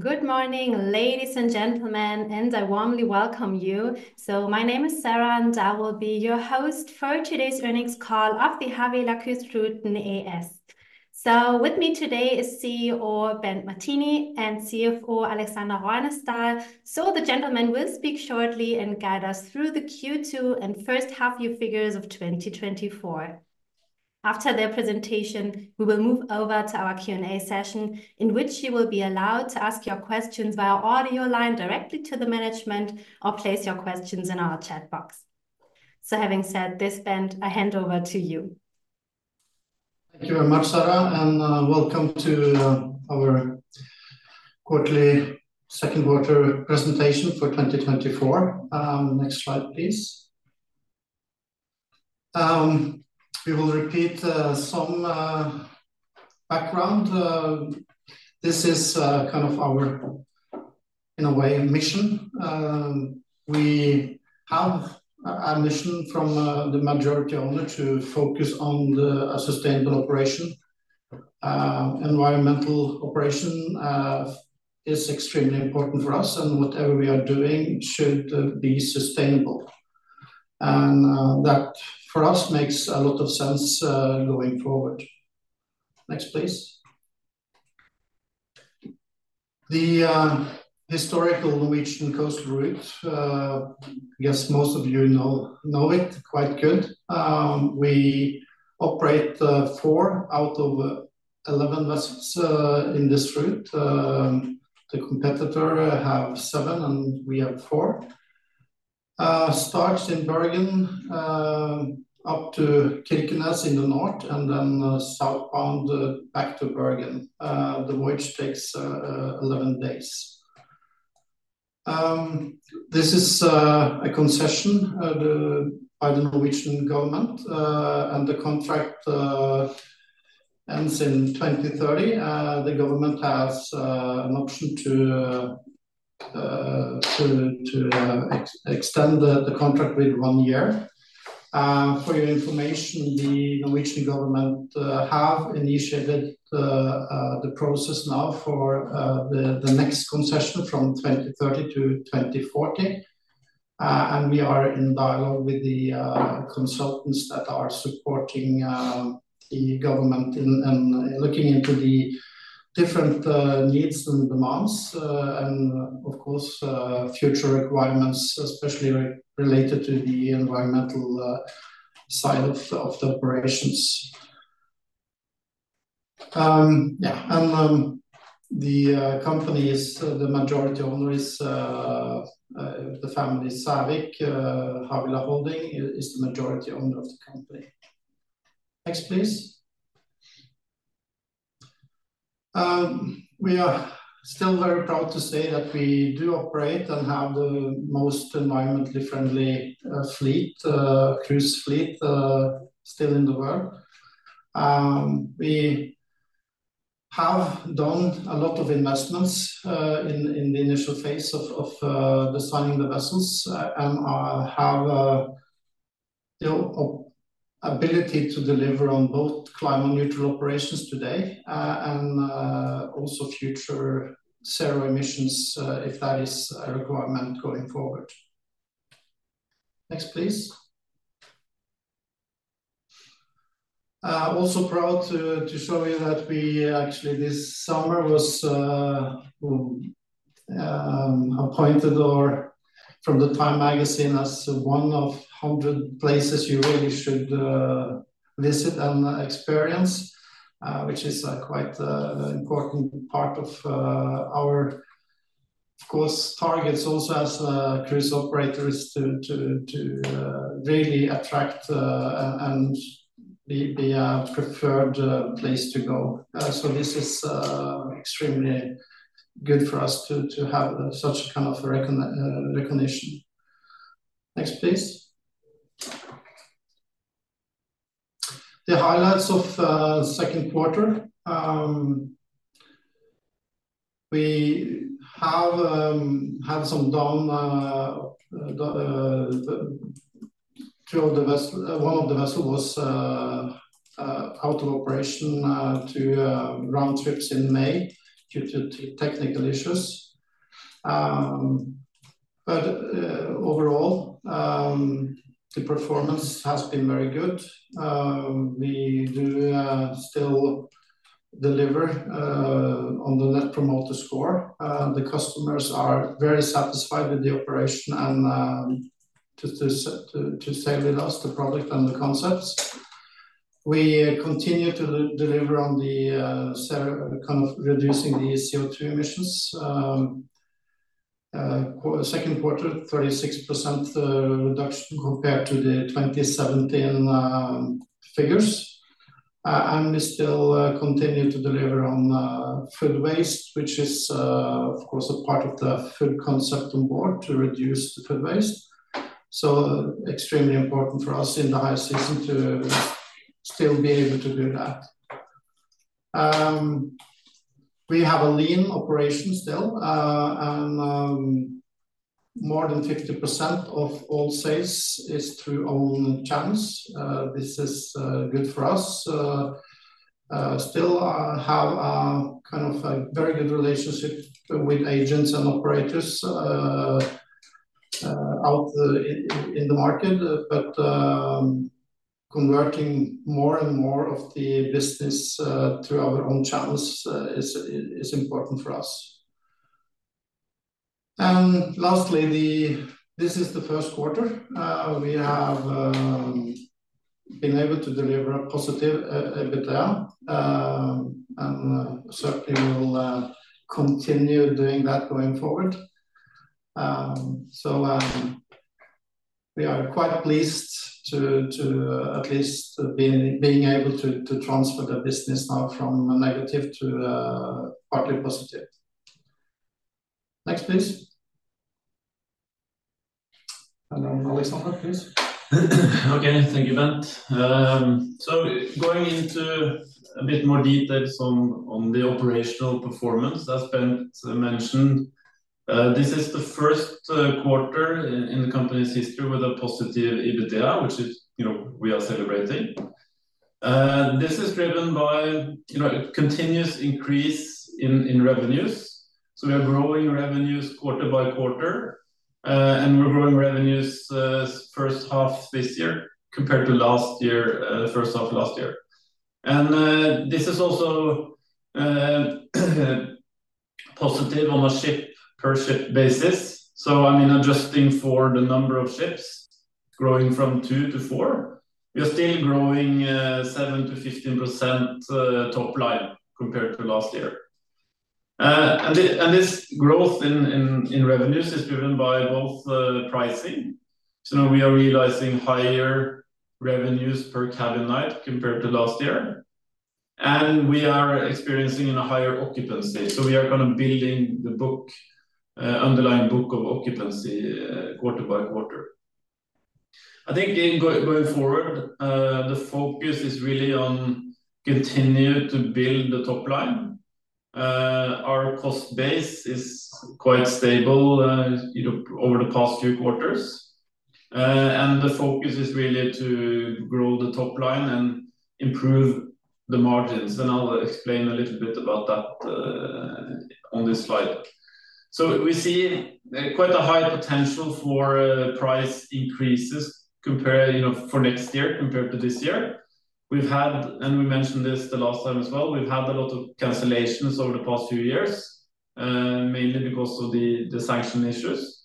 Good morning, ladies and gentlemen, and I warmly welcome you. So my name is Sarah, and I will be your host for today's earnings call of the Havila Coastal Route AS. So with me today is CEO Bent Martini and CFO Alexander Røynesdal. So the gentleman will speak shortly and guide us through the Q2 and first half-year figures of 2024. After their presentation, we will move over to our Q&A session, in which you will be allowed to ask your questions via audio line directly to the management or place your questions in our chat box. So having said this, Bent, I hand over to you. Thank you very much, Sarah, and welcome to our quarterly Q2 presentation for 2024. Next slide, please. We will repeat some background. This is kind of our, in a way, mission. We have a mission from the majority owner to focus on the sustainable operation. Environmental operation is extremely important for us, and whatever we are doing should be sustainable. And that, for us, makes a lot of sense going forward. Next, please. The historical Norwegian Coastal Route, I guess most of you know it quite good. We operate four out of eleven vessels in this route. The competitor have seven, and we have four. Starts in Bergen, up to Kirkenes in the north and then, southbound, back to Bergen. The voyage takes eleven days. This is a concession by the Norwegian government, and the contract ends in 2030. The government has an option to extend the contract with one year. For your information, the Norwegian government have initiated the process now for the next concession from 2030 to 2040. We are in dialogue with the consultants that are supporting the government in looking into the different needs and demands, and of course, future requirements, especially related to the environmental side of the operations. The majority owner of the company is the Sævik family. Havila Holding is the majority owner of the company. Next, please. We are still very proud to say that we do operate and have the most environmentally friendly cruise fleet still in the world. We have done a lot of investments in the initial phase of designing the vessels and have the ability to deliver on both climate neutral operations today and also future zero emissions if that is a requirement going forward. Next, please. Also proud to show you that we actually this summer was appointed or from the TIME magazine as one of hundred places you really should visit and experience, which is quite an important part of our of course targets also as cruise operators to really attract and be a preferred place to go. So this is extremely good for us to have such kind of a recognition. Next, please. The highlights of Q2. We have had some downtime on two of the vessels. One of the vessel was out of operation to round trips in May due to technical issues. But overall the performance has been very good. We do still deliver on the Net Promoter Score. The customers are very satisfied with the operation and to sail with us, the product and the concepts. We continue to deliver on kind of reducing the CO2 emissions. Q2, 36% reduction compared to the 2017 figures. And we still continue to deliver on food waste, which is of course a part of the food concept on board to reduce the food waste. So extremely important for us in the high season to still be able to do that. We have a lean operation still... more than 50% of all sales is through own channels. This is good for us. Still have kind of a very good relationship with agents and operators in the market. But converting more and more of the business through our own channels is important for us. Lastly, this is the Q1 we have been able to deliver a positive EBITDA and certainly will continue doing that going forward. We are quite pleased to at least be able to transfer the business now from negative to partly positive. Next, please. And then Alexander, please. Okay. Thank you, Bent. So going into a bit more details on the operational performance, as Bent mentioned, this is the Q1 in the company's history with a positive EBITDA, which is, you know, we are celebrating. This is driven by, you know, a continuous increase in revenues. We are growing revenues quarter by quarter, and we're growing revenues first half this year compared to last year, first half of last year. This is also positive on a ship per ship basis. I mean, adjusting for the number of ships growing from two to four, we are still growing 7%-15% top line compared to last year. And this growth in revenues is driven by both pricing. So now we are realizing higher revenues per cabin night compared to last year, and we are experiencing a higher occupancy. We are kind of building the book, underlying book of occupancy, quarter by quarter. I think going forward, the focus is really on continue to build the top line. Our cost base is quite stable, you know, over the past few quarters. And the focus is really to grow the top line and improve the margins, and I'll explain a little bit about that, on this slide. We see quite a high potential for price increases compared, you know, for next year compared to this year. We've had, and we mentioned this the last time as well, we've had a lot of cancellations over the past few years, mainly because of the sanction issues.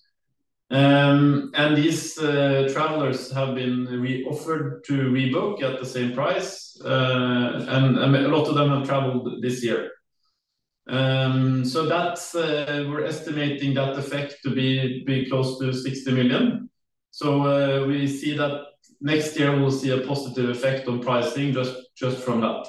And these travelers have been offered to rebook at the same price, and a lot of them have traveled this year. So that's. We're estimating that effect to be close to 60 million. So we see that next year we'll see a positive effect on pricing just from that.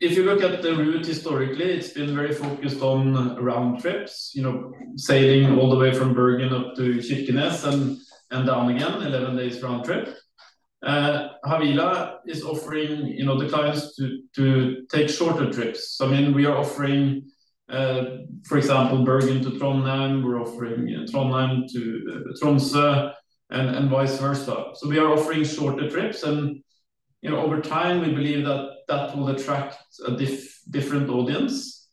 If you look at the route historically, it's been very focused on round trips, you know, sailing all the way from Bergen up to Kirkenes and down again, 11 days round trip. Havila is offering, you know, the clients to take shorter trips. So I mean, we are offering, for example, Bergen to Trondheim. We're offering Trondheim to Tromsø and vice versa. We are offering shorter trips and, you know, over time, we believe that that will attract a different audience,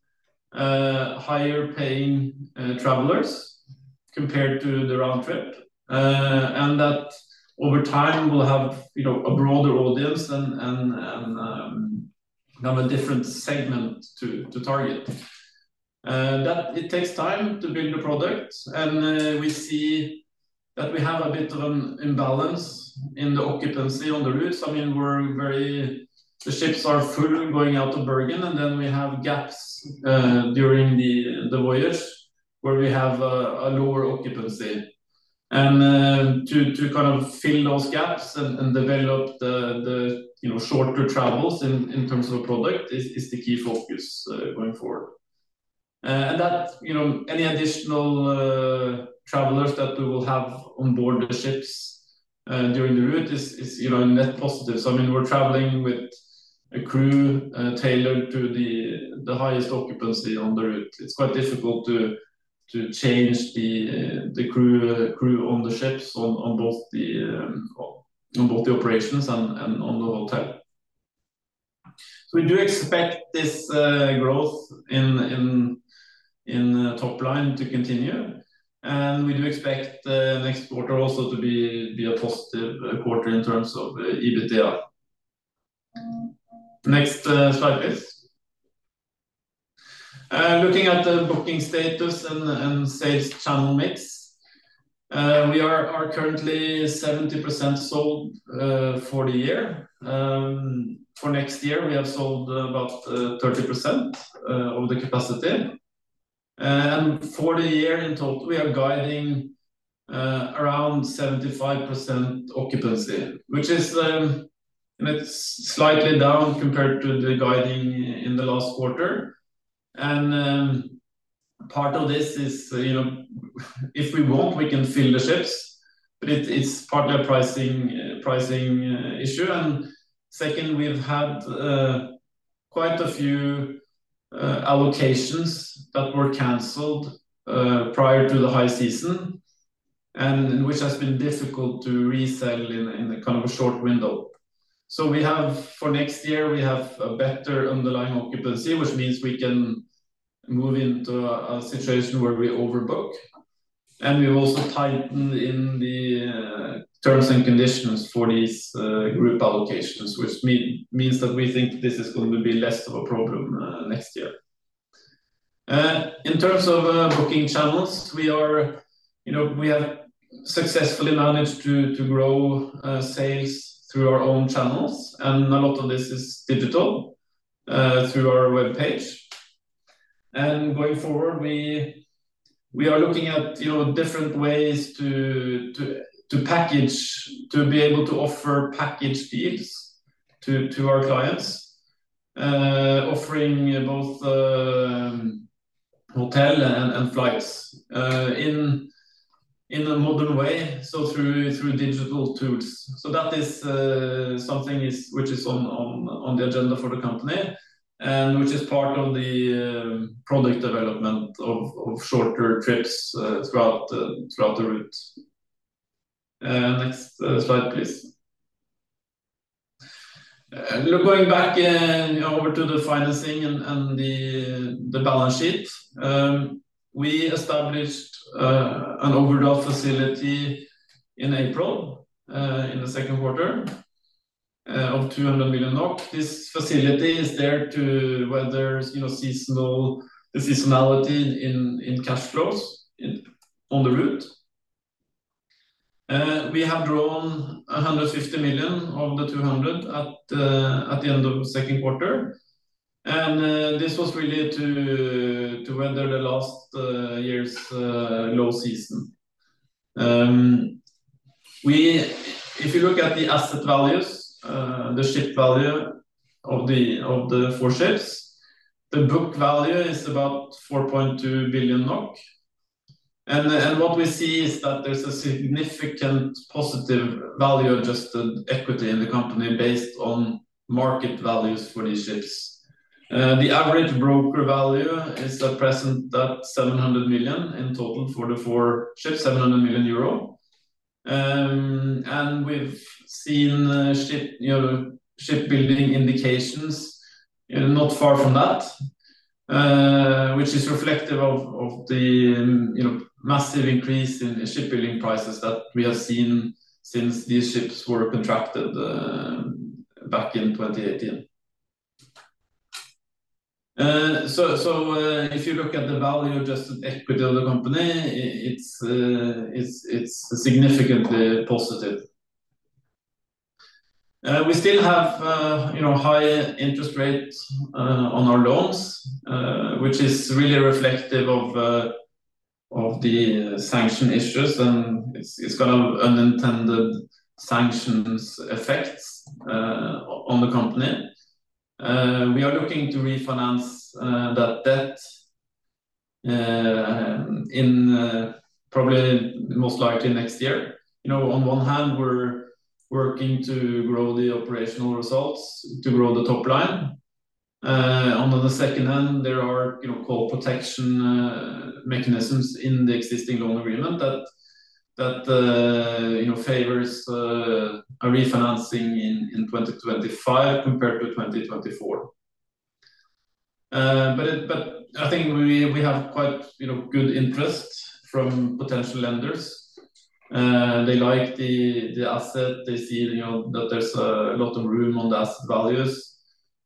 higher paying travelers compared to the round trip. And that over time, we'll have, you know, a broader audience and have a different segment to target. That it takes time to build the product, and we see that we have a bit of an imbalance in the occupancy on the routes. I mean, we're very... The ships are full going out to Bergen, and then we have gaps during the voyage, where we have a lower occupancy. And to kind of fill those gaps and develop the you know shorter travels in terms of a product is the key focus going forward. And that, you know, any additional travelers that we will have on board the ships during the route is, you know, a net positive, so I mean, we're traveling with a crew tailored to the highest occupancy on the route. It's quite difficult to change the crew on the ships, on both the operations and on the hotel, so we do expect this growth in the top line to continue, and we do expect the next quarter also to be a positive quarter in terms of EBITDA. Next, slide, please. Looking at the booking status and sales channel mix, we are currently 70% sold for the year. For next year, we have sold about 30% of the capacity. And for the year, in total, we are guiding around 75% occupancy, which is, you know, it's slightly down compared to the guiding in the last quarter. And part of this is, you know, if we want, we can fill the ships, but it's partly a pricing issue. And second, we've had quite a few allocations that were canceled prior to the high season, and which has been difficult to resell in kind of a short window. So we have, for next year, we have a better underlying occupancy, which means we can move into a situation where we overbook. And we also tighten in the terms and conditions for these group allocations, which means that we think this is going to be less of a problem next year. In terms of booking channels, we are, you know, we have successfully managed to grow sales through our own channels, and a lot of this is digital through our webpage. Going forward, we are looking at, you know, different ways to package to be able to offer package deals to our clients. Offering both hotel and flights in a modern way, so through digital tools. So that is something which is on the agenda for the company and which is part of the product development of shorter trips throughout the route. Next slide, please. We are going back over to the financing and the balance sheet. We established an overdraft facility in April, in the Q2, of 200 million NOK. This facility is there to weather, you know, the seasonality in cash flows on the route. We have drawn 150 million of the 200 at the end of Q2, and this was really to weather the last year's low season. If you look at the asset values, the ship value of the four ships, the book value is about 4.2 billion NOK. What we see is that there's a significant positive value adjusted equity in the company based on market values for these ships. The average broker value is at present 700 million in total for the four ships, 700 million euro. And we've seen ship, you know, shipbuilding indications not far from that, which is reflective of the, you know, massive increase in shipbuilding prices that we have seen since these ships were contracted back in 2018. So if you look at the value of just the equity of the company, it's significantly positive. We still have, you know, high interest rates on our loans, which is really reflective of the sanctions issues, and it's kind of unintended sanctions effects on the company. We are looking to refinance that debt in probably most likely next year. You know, on one hand, we're working to grow the operational results, to grow the top line. On the second hand, there are, you know, core protection mechanisms in the existing loan agreement that you know, favors a refinancing in twenty twenty-five compared to 2024. But I think we have quite, you know, good interest from potential lenders. They like the asset. They see, you know, that there's a lot of room on the asset values.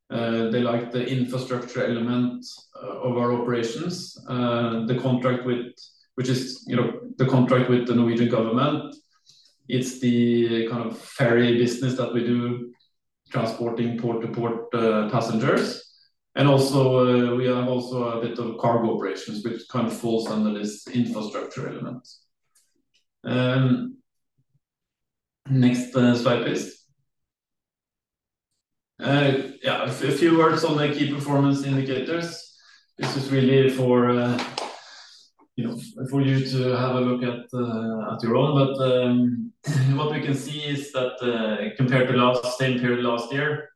They like the infrastructure element of our operations. The contract with... which is, you know, the contract with the Norwegian government. It's the kind of ferry business that we do, transporting port-to-port passengers. And also, we have also a bit of cargo operations, which kind of falls under this infrastructure element. Next slide, please. Yeah, a few words on the key performance indicators. This is really for, you know, for you to have a look at, at your own, but what we can see is that, compared to the same period last year,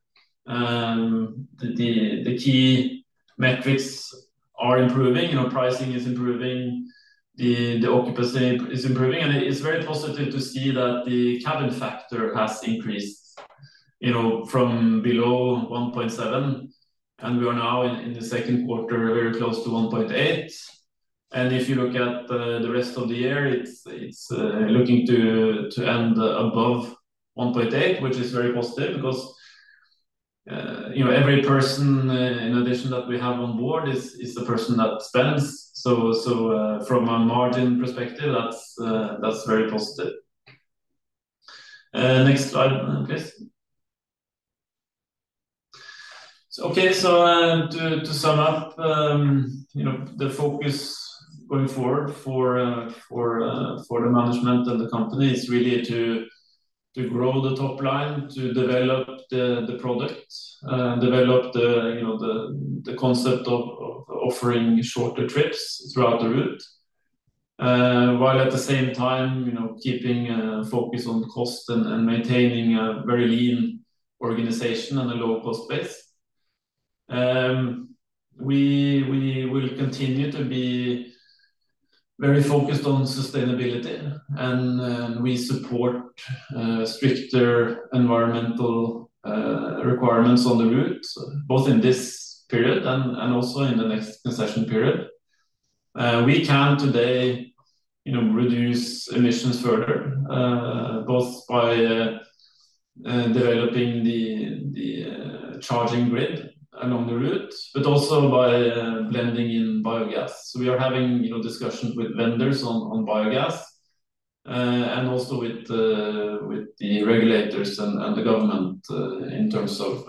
the key metrics are improving. You know, pricing is improving. The occupancy is improving, and it's very positive to see that the cabin factor has increased, you know, from below 1.7, and we are now in the Q2, very close to 1.8, and if you look at the rest of the year, it's looking to end above 1.8, which is very positive because, you know, every person in addition that we have on board is a person that spends, so from a margin perspective, that's very positive. Next slide, please. To sum up, you know, the focus going forward for the management and the company is really to grow the top line, to develop the product, develop the you know, the concept of offering shorter trips throughout the route, while at the same time, you know, keeping focus on cost and maintaining a very lean organization and a low-cost base. We will continue to be very focused on sustainability, and we support stricter environmental requirements on the route, both in this period and also in the next concession period. We can today, you know, reduce emissions further, both by developing the charging grid along the route, but also by blending in biogas. So we are having, you know, discussions with vendors on biogas, and also with the regulators and the government, in terms of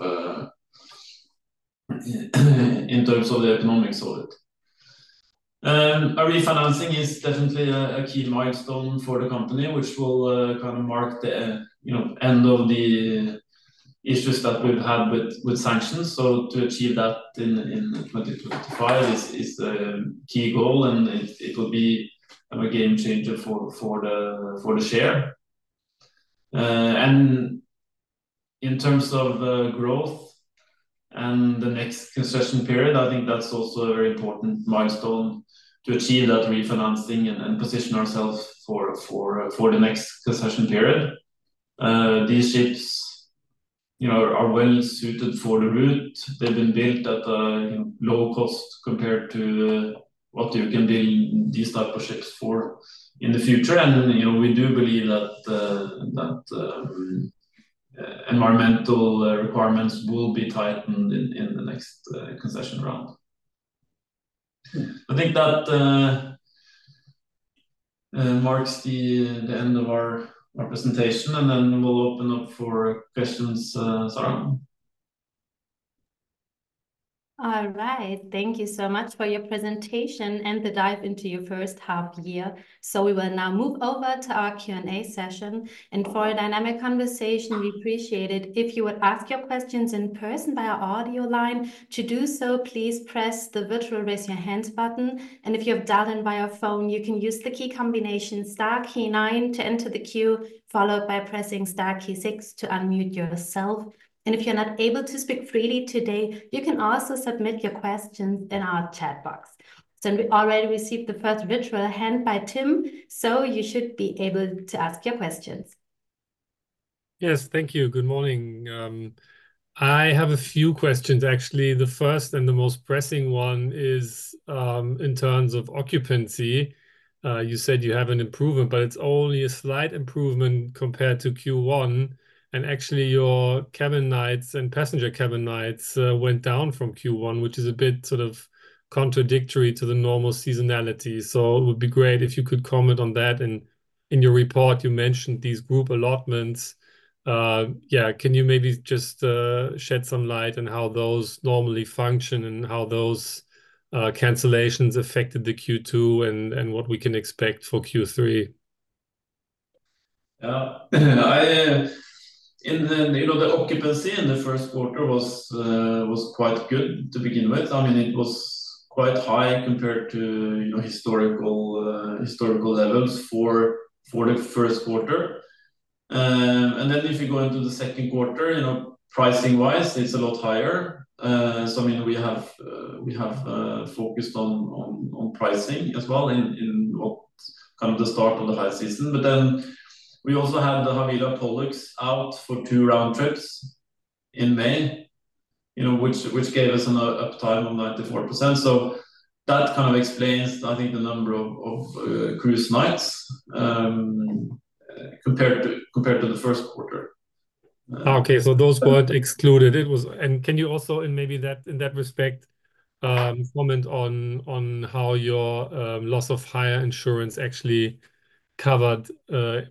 the economics of it. Our refinancing is definitely a key milestone for the company, which will kind of mark the, you know, end of the issues that we've had with sanctions. So to achieve that in 2025 is the key goal, and it will be a game changer for the share. And in terms of growth and the next concession period, I think that's also a very important milestone to achieve that refinancing and position ourselves for the next concession period. These ships, you know, are well suited for the route. They've been built at a, you know, low cost compared to what you can build these type of ships for in the future. And, you know, we do believe that environmental requirements will be tightened in the next concession round. I think that marks the end of our presentation, and then we'll open up for questions, Sarah. All right. Thank you so much for your presentation and the dive into your first half year. So we will now move over to our Q&A session. And for a dynamic conversation, we appreciate it if you would ask your questions in person by our audio line. To do so, please press the virtual Raise Your Hand button. And if you have dialed in by your phone, you can use the key combination star key nine to enter the queue, followed by pressing star key six to unmute yourself. And if you're not able to speak freely today, you can also submit your questions in our chat box. So we already received the first virtual hand by Tim, so you should be able to ask your questions. Yes. Thank you. Good morning. I have a few questions, actually. The first and the most pressing one is, in terms of occupancy. You said you have an improvement, but it's only a slight improvement compared to Q1. And actually, your cabin nights and passenger cabin nights went down from Q1, which is a bit sort of contradictory to the normal seasonality. So it would be great if you could comment on that. And in your report, you mentioned these group allotments. Yeah, can you maybe just shed some light on how those normally function and how those cancellations affected the Q2, and what we can expect for Q3? You know, the occupancy in the Q1 was quite good to begin with. I mean, it was quite high compared to, you know, historical levels for the Q1. And then if you go into the Q2, you know, pricing-wise, it's a lot higher. So I mean, we have focused on pricing as well in what kind of the start of the high season. But then we also had the Havila Pollux out for two round trips in May, you know, which gave us an uptime of 94%. So that kind of explains, I think, the number of cruise nights compared to the Q1. Okay. So those were excluded. It was. And can you also, in maybe that, in that respect, comment on how your loss of hire insurance actually covered,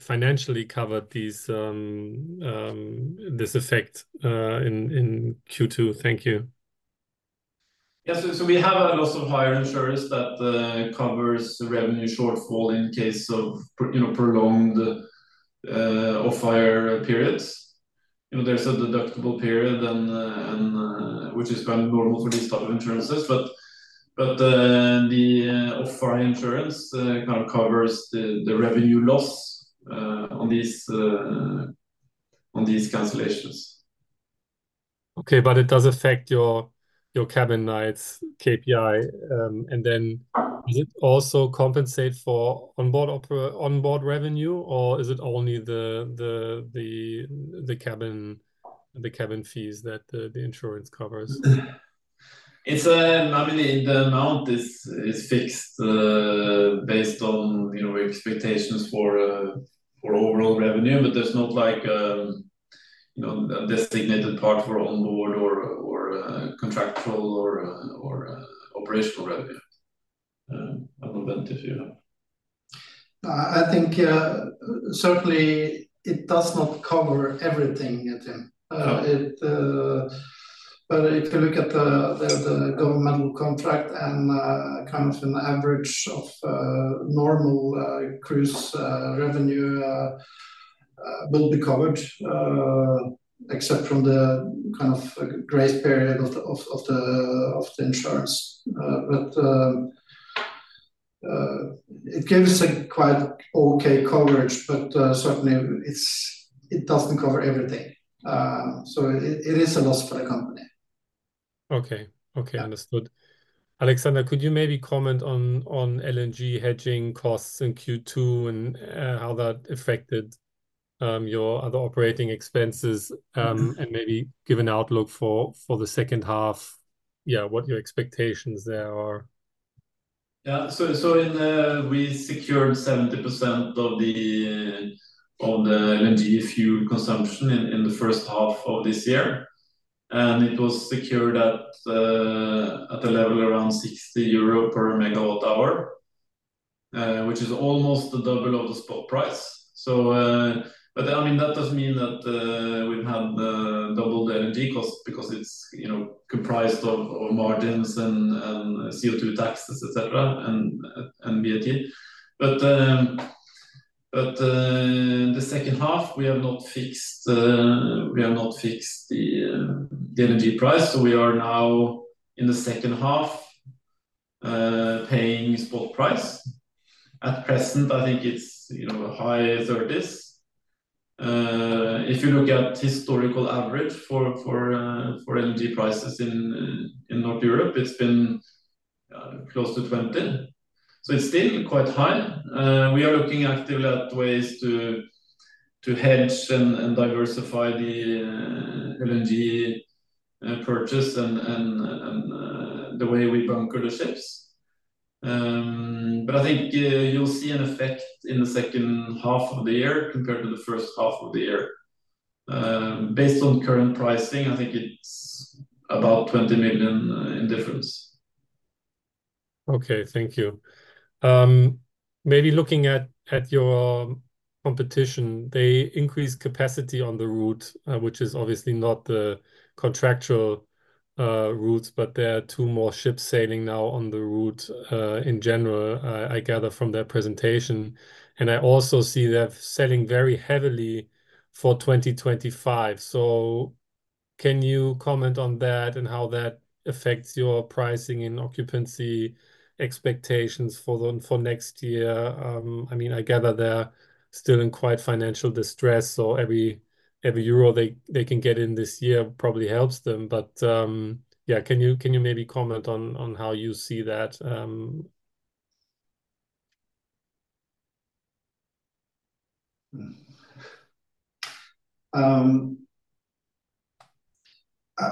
financially covered these, this effect, in Q2? Thank you. Yes. So we have a loss of hire insurance that covers the revenue shortfall in case of you know, prolonged off-hire periods. You know, there's a deductible period and which is kind of normal for these type of insurances, but the off-hire insurance kind of covers the revenue loss on these cancellations. Okay, but it does affect your cabin nights KPI, and then- Uh. Does it also compensate for onboard revenue, or is it only the cabin fees that the insurance covers? It's, I mean, the amount is fixed based on, you know, expectations for overall revenue, but there's not like, you know, a designated part for onboard or contractual or operational revenue. I don't know, Bent, if you have. I think, certainly it does not cover everything, Tim. Okay. But if you look at the governmental contract and kind of an average of normal cruise revenue will be covered, except from the kind of grace period of the insurance. But it gives a quite okay coverage, but certainly it doesn't cover everything. So it is a loss for the company. Okay. Okay Yeah Understood. Alexander, could you maybe comment on LNG hedging costs in Q2, and how that affected your other operating expenses, and maybe give an outlook for the second half? Yeah, what your expectations there are. Yeah. So we secured 70% of the LNG fuel consumption in the first half of this year, and it was secured at a level around 60 euro per megawatt hour, which is almost the double of the spot price. So, but, I mean, that doesn't mean that we've had double the energy cost because it's, you know, comprised of margins and CO2 taxes, et cetera, and VAT. But, the second half, we have not fixed the LNG price, so we are now in the second half paying spot price. At present, I think it's, you know, high thirties. If you look at historical average for LNG prices in Northern Europe, it's been close to 20. So it's still quite high. We are looking actively at ways to hedge and diversify the LNG purchase and the way we bunker the ships. But I think you'll see an effect in the second half of the year compared to the first half of the year. Based on current pricing, I think it's about 20 million in difference. Okay, thank you. Maybe looking at your competition, they increased capacity on the route, which is obviously not the contractual routes, but there are two more ships sailing now on the route. In general, I gather from their presentation, and I also see they're selling very heavily for 2025. So can you comment on that and how that affects your pricing and occupancy expectations for next year? I mean, I gather they're still in quite financial distress, so every euro they can get in this year probably helps them. But yeah, can you maybe comment on how you see that?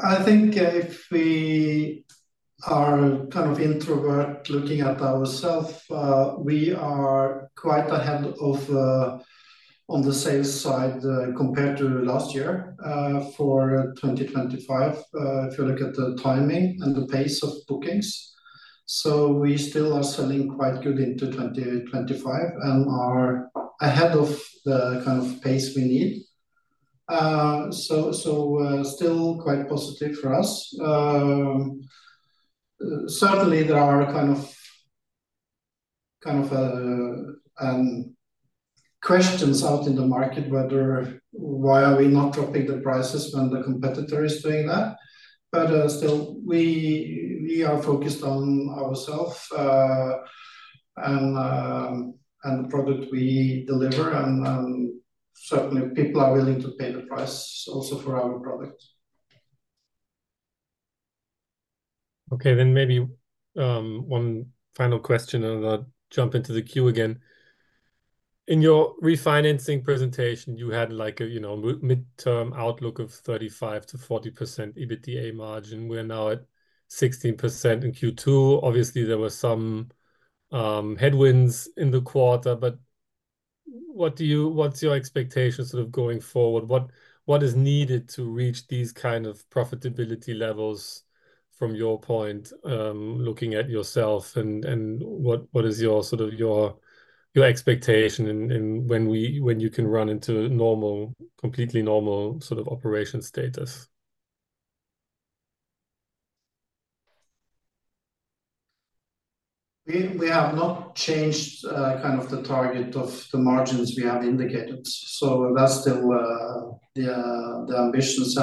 I think if we are kind of inward looking at ourselves, we are quite ahead of on the sales side compared to last year for 2025 if you look at the timing and the pace of bookings, so we still are selling quite good into 2025 and are ahead of the kind of pace we need, so still quite positive for us. Certainly there are kind of questions out in the market whether why are we not dropping the prices when the competitor is doing that, but still we are focused on ourselves and the product we deliver, and certainly people are willing to pay the price also for our product. Okay, then maybe one final question, and I'll jump into the queue again. In your refinancing presentation, you had, like, a, you know, midterm outlook of 35%-40% EBITDA margin. We're now at 16% in Q2. Obviously, there were some headwinds in the quarter, but what's your expectation sort of going forward? What is needed to reach these kind of profitability levels from your point of view? And what is your sort of your expectation in when you can run into normal, completely normal sort of operation status? We have not changed kind of the target of the margins we have indicated, so that's still the ambitions.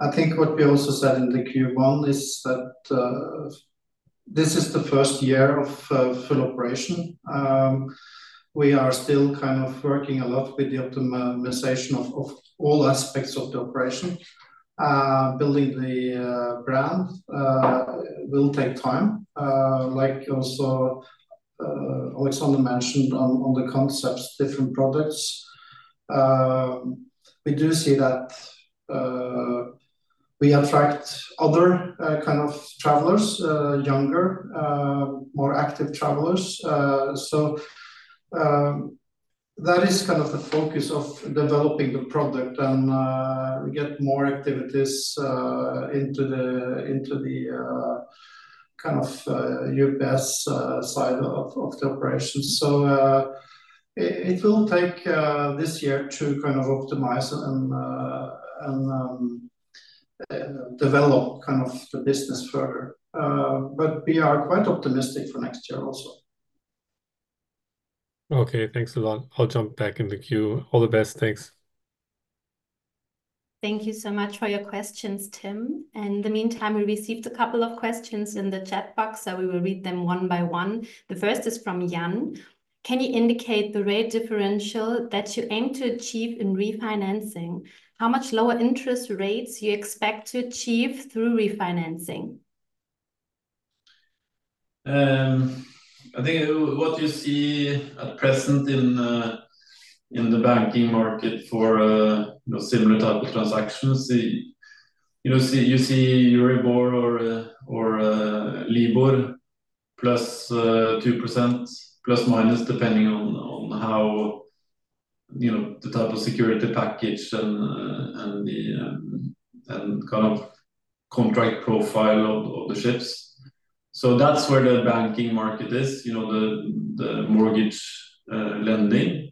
I think what we also said in the Q1 is that this is the first year of full operation. We are still kind of working a lot with the optimization of all aspects of the operation. Building the brand will take time, like also Alexander mentioned on the concepts, different products. We do see that we attract other kind of travelers, younger, more active travelers. So that is kind of the focus of developing the product, and we get more activities into the kind of upsell side of the operation. It will take this year to kind of optimize and develop kind of the business further, but we are quite optimistic for next year also. Okay, thanks a lot. I'll jump back in the queue. All the best. Thanks. Thank you so much for your questions, Tim. In the meantime, we received a couple of questions in the chat box, so we will read them one by one. The first is from Jan: "Can you indicate the rate differential that you aim to achieve in refinancing? How much lower interest rates do you expect to achieve through refinancing? I think what you see at present in the banking market for you know, similar type of transactions, you know, see EURIBOR or LIBOR plus 2%, plus minus, depending on how you know, the type of security package and the kind of contract profile of the ships. So that's where the banking market is, you know, the mortgage lending.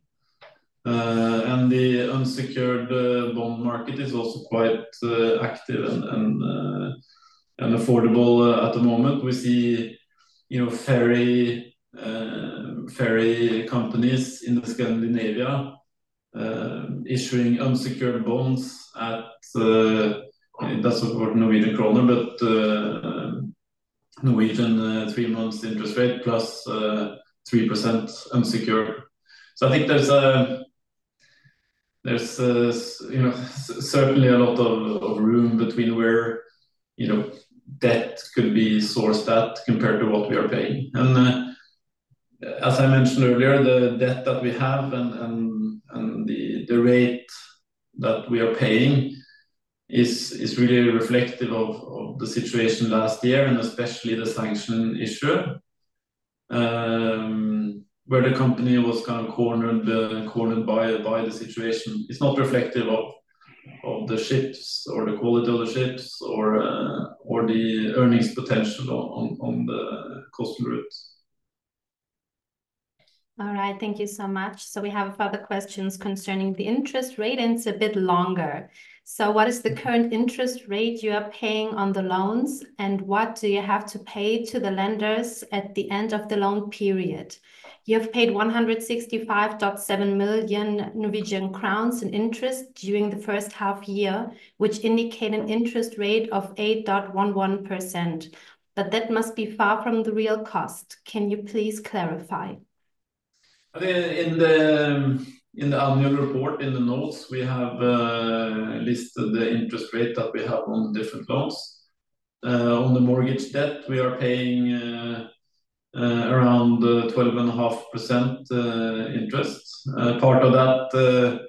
And the unsecured bond market is also quite active and affordable at the moment. We see you know, ferry companies in Scandinavia issuing unsecured bonds at, that's of course Norwegian kroner, but Norwegian three months interest rate plus 3% unsecured. So I think there's you know, certainly a lot of room between where, you know, debt could be sourced at, compared to what we are paying. And as I mentioned earlier, the debt that we have and the rate that we are paying is really reflective of the situation last year, and especially the sanction issue, where the company was kind of cornered by the situation. It's not reflective of the ships or the quality of the ships or the earnings potential on the coastal routes. All right. Thank you so much. So we have further questions concerning the interest rate, and it's a bit longer. "So what is the current interest rate you are paying on the loans, and what do you have to pay to the lenders at the end of the loan period? You have paid 165.7 million Norwegian crowns in interest during the first half year, which indicate an interest rate of 8.11%, but that must be far from the real cost. Can you please clarify? I think in the annual report, in the notes, we have listed the interest rate that we have on different loans. On the mortgage debt, we are paying around 12.5% interest. Part of that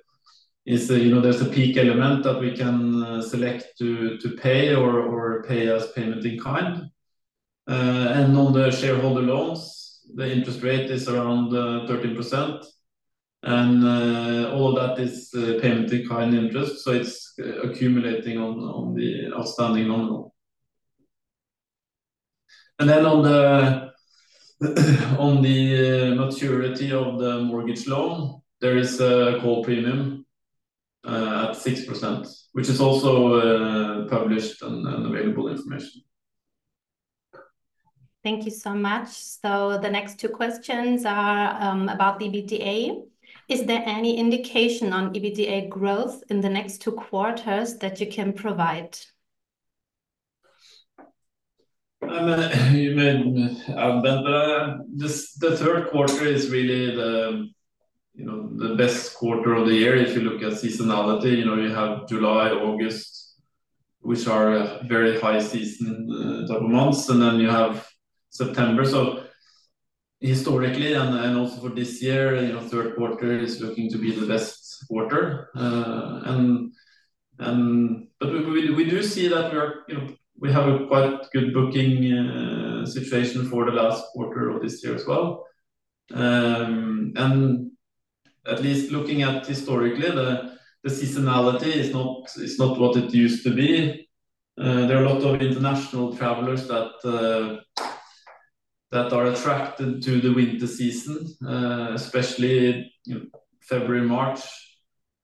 is that, you know, there's a PIK element that we can select to pay or pay as payment in kind. And on the shareholder loans, the interest rate is around 13%, and all that is payment in kind interest, so it's accumulating on the outstanding loan. And then on the maturity of the mortgage loan, there is a call premium at 6%, which is also published and available information. Thank you so much. So the next two questions are about the EBITDA. "Is there any indication on EBITDA growth in the next two quarters that you can provide? I mean, then the Q3 is really the, you know, the best quarter of the year if you look at seasonality. You know, you have July, August, which are a very high season type of months, and then you have September. So historically, and also for this year, you know, Q3 is looking to be the best quarter. And but we do see that we are, you know, we have a quite good booking situation for the last quarter of this year as well. And at least looking at historically, the seasonality is not what it used to be. There are a lot of international travelers that are attracted to the winter season, especially, you know, February, March,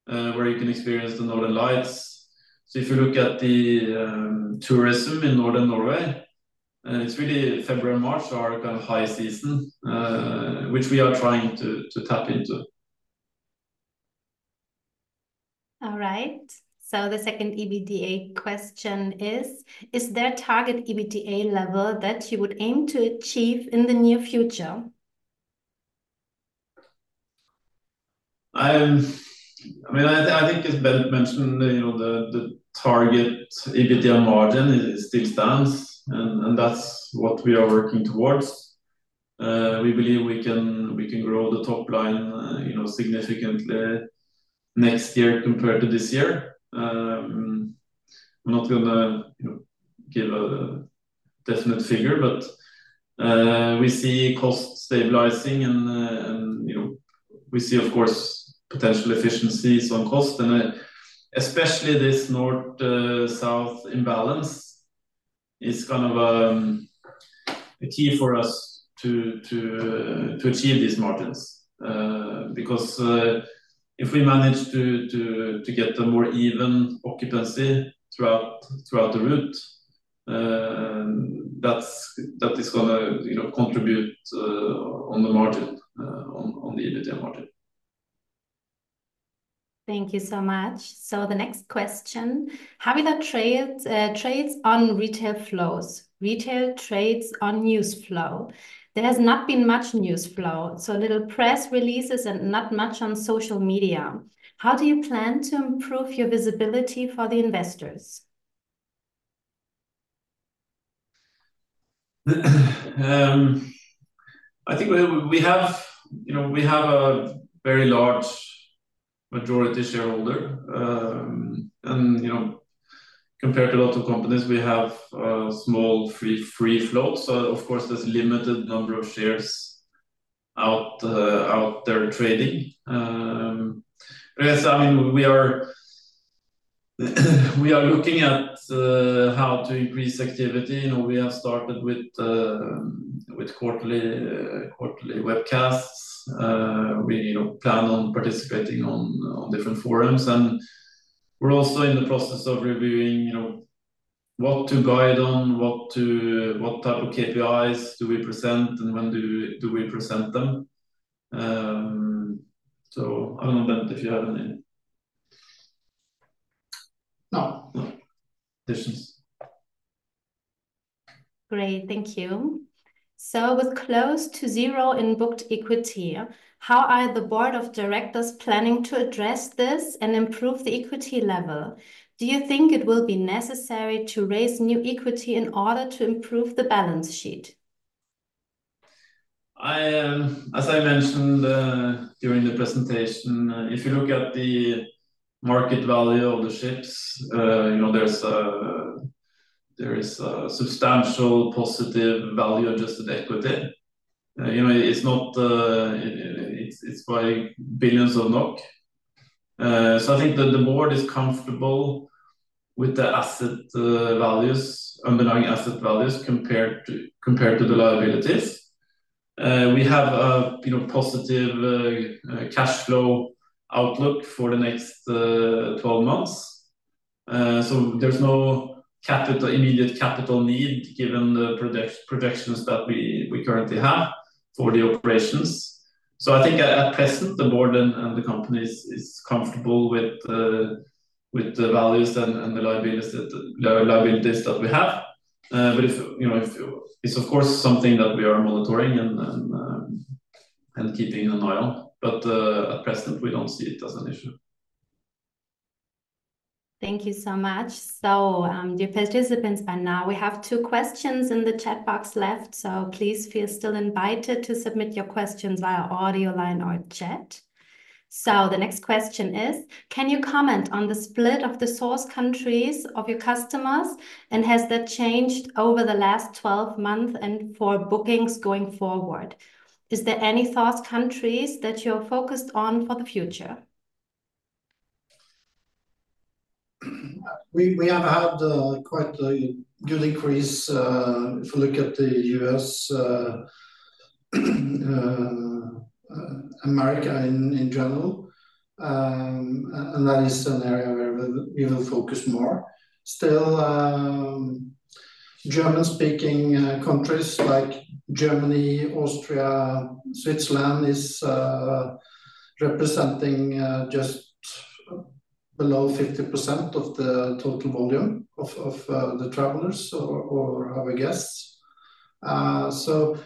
where you can experience the northern lights. So if you look at the tourism in northern Norway, it's really February and March are kind of high season, which we are trying to tap into. All right. So the second EBITDA question is: "Is there target EBITDA level that you would aim to achieve in the near future? I mean, I think as Bent mentioned, you know, the target EBITDA margin still stands, and that's what we are working towards. We believe we can grow the top line, you know, significantly next year compared to this year. I'm not gonna, you know, give a definite figure, but we see costs stabilizing and, you know, we see, of course, potential efficiencies on cost, and especially this north south imbalance is kind of a key for us to achieve these margins. Because if we manage to get a more even occupancy throughout the route, that is gonna, you know, contribute on the margin on the EBITDA margin. Thank you so much. So the next question: Havila trades on retail flows, retail trades on news flow. There has not been much news flow, so little press releases and not much on social media. How do you plan to improve your visibility for the investors? I think we have, you know, a very large majority shareholder, and, you know, compared to a lot of companies, we have small free floats, so of course, there's limited number of shares out there trading. I guess, I mean, we are looking at how to increase activity. You know, we have started with quarterly webcasts. We, you know, plan on participating on different forums, and we're also in the process of reviewing, you know, what to guide on, what type of KPIs do we present, and when do we present them, so I don't know, Bent, if you have any No, no additions. Great, thank you. So with close to zero in booked equity, how are the board of directors planning to address this and improve the equity level? Do you think it will be necessary to raise new equity in order to improve the balance sheet? As I mentioned during the presentation, if you look at the market value of the ships, you know, there is a substantial positive value of just the equity. You know, it's by billions of NOK. So I think the board is comfortable with the asset values, underlying asset values compared to the liabilities. We have a positive cash flow outlook for the next 12 months. So there's no immediate capital need, given the project projections that we currently have for the operations. So I think at present, the board and the company is comfortable with the values and the liabilities that we have. But if, you know, if It's of course something that we are monitoring and keeping an eye on, but at present, we don't see it as an issue. Thank you so much. So, dear participants, by now we have two questions in the chat box left, so please feel still invited to submit your questions via audio line or chat. So the next question is: Can you comment on the split of the source countries of your customers, and has that changed over the last twelve months, and for bookings going forward? Is there any source countries that you're focused on for the future? We have had quite a good increase if you look at the U.S., America in general, and that is an area where we will focus more. Still, German-speaking countries like Germany, Austria, Switzerland is representing just below 50% of the total volume of the travelers or our guests. So,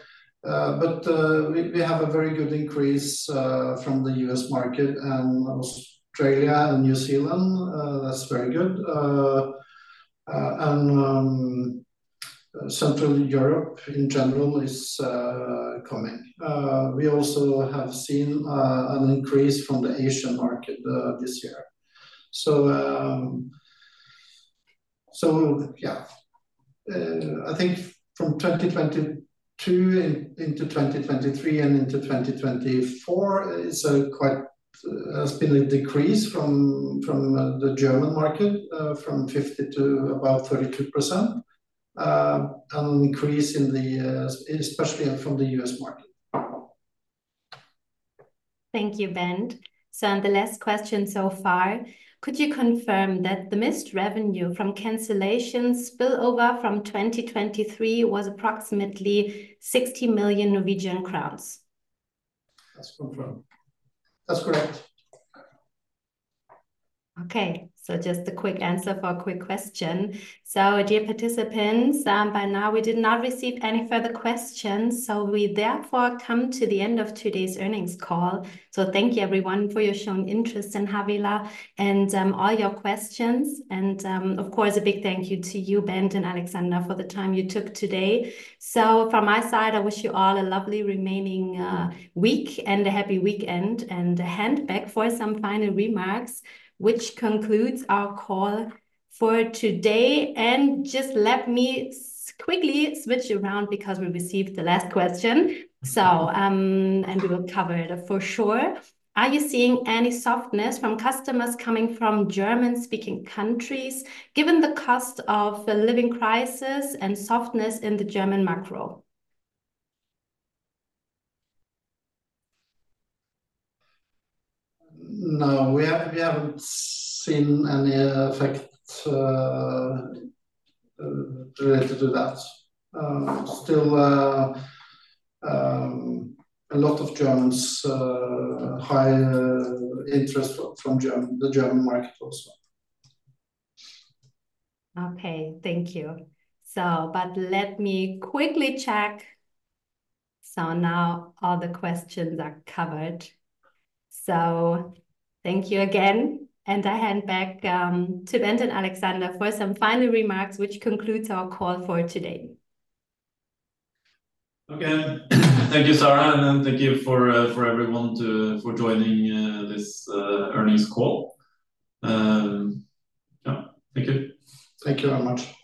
but we have a very good increase from the U.S. market and Australia and New Zealand. That's very good, and Central Europe in general is coming. We also have seen an increase from the Asian market this year.I think from 2022 into 2023 and into 2024, it's been quite a decrease from the German market, from 50% to about 32%, and an increase, especially from the US market. Thank you, Bent. So, and the last question so far: Could you confirm that the missed revenue from cancellations spillover from 2023 was approximately 60 million Norwegian crowns? That's confirmed. That's correct. Okay, so just a quick answer for a quick question. So dear participants, by now we did not receive any further questions, so we therefore come to the end of today's earnings call. So thank you everyone for your shown interest in Havila and, all your questions. And, of course, a big thank you to you, Bent and Alexander, for the time you took today. So from my side, I wish you all a lovely remaining week and a happy weekend. And I hand back for some final remarks, which concludes our call for today. And just let me quickly switch around because we received the last question, so, and we will cover it for sure. Are you seeing any softness from customers coming from German-speaking countries, given the cost of living crisis and softness in the German macro? No, we have, we haven't seen any effect related to that. Still, a lot of Germans, high interest from German, the German market also. Okay, thank you. So but let me quickly check. So now all the questions are covered. So thank you again, and I hand back to Bent and Alexander for some final remarks, which concludes our call for today. Okay. Thank you, Sarah, and thank you for everyone joining this earnings call. Yeah, thank you. Thank you very much.